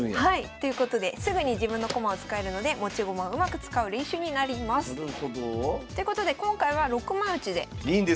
ということですぐに自分の駒を使えるので持ち駒をうまく使う練習になります。ということでなるほど。